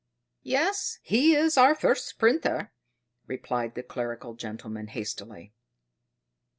"Yes, he is our first printer," replied the clerical gentleman hastily.